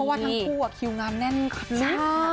เพราะว่าทั้งคู่อะคิวงานแน่นครับคุณผู้ชม